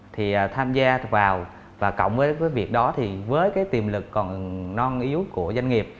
thì tham gia vào và cộng với việc đó thì với cái tiềm lực còn non yếu của doanh nghiệp